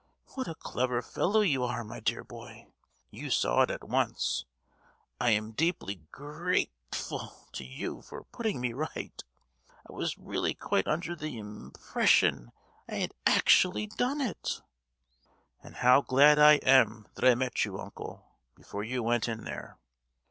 What a clever fellow you are, my dear boy; you saw it at once. I am deeply grate—ful to you for putting me right. I was really quite under the im—pression I had actually done it." "And how glad I am that I met you, uncle, before you went in there!